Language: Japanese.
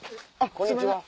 こんにちは。